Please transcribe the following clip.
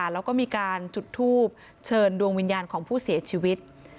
แล้วก็มีการจุดทูบเชิญดวงวิญญาณของผู้เสียชีวิต